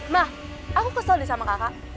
mah aku kesel nih sama kakak